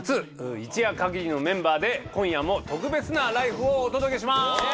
一夜限りのメンバーで今夜も特別な「ＬＩＦＥ！」をお届けします！